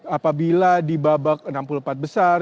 apabila di babak enam puluh empat besar